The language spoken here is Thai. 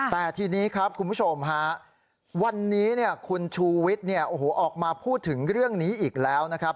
แต่ทีนี้ครับคุณผู้ชมฮะวันนี้คุณชูวิทย์ออกมาพูดถึงเรื่องนี้อีกแล้วนะครับ